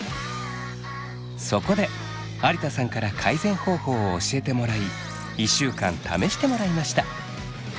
そこで有田さんから改善方法を教えてもらい１週間試してもらいました。